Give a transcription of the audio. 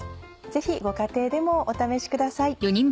ぜひご家庭でもお試しください。